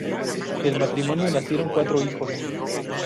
Del matrimonio nacieron cuatro hijos.